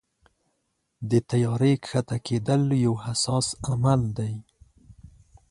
د طیارې کښته کېدل یو حساس عمل دی.